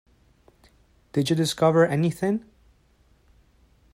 Did you discover anything?